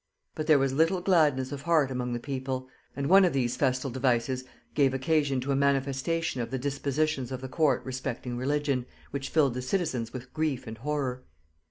But there was little gladness of heart among the people; and one of these festal devices gave occasion to a manifestation of the dispositions of the court respecting religion, which filled the citizens with grief and horror.